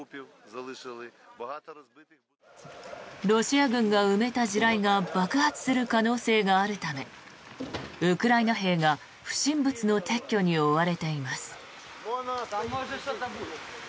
ロシア軍が埋めた地雷が爆発する可能性があるためウクライナ兵が不審物の撤去に追われています。